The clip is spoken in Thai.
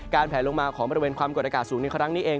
แผลลงมาของบริเวณความกดอากาศสูงในครั้งนี้เอง